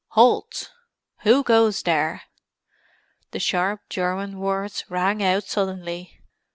"Halt! Who goes there?" The sharp German words rang out suddenly.